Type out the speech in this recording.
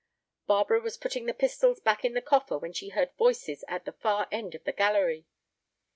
Barbara was putting the pistols back in the coffer when she heard voices at the far end of the gallery.